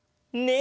「ね」